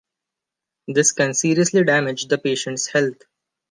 This can seriously damage the patient's health.